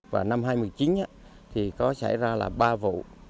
và năm hai nghìn một mươi chín thì có xảy ra là ba vụ